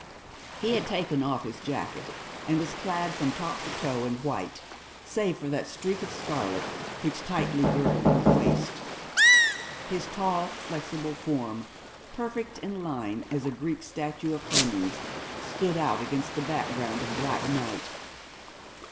He had taken off his jacket, and was clad from top to toe in white, save for that streak of scarlet which tightly girdled his waist. His tall flexible form, perfect in line as a Greek statue of Hermes, stood out against the background of black night.